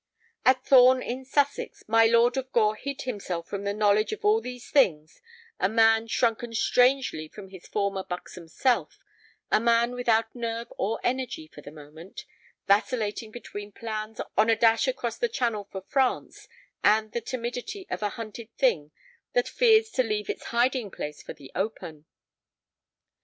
At Thorn, in Sussex, my Lord of Gore hid himself from the knowledge of all these things, a man shrunken strangely from his former buxom self, a man without nerve or energy for the moment, vacillating between plans on a dash across the Channel for France, and the timidity of a hunted thing that fears to leave its hiding place for the open.